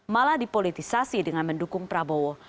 malah dipolitisasi dengan mendukung prabowo